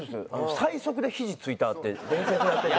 最速で肘ついたって伝説になってて。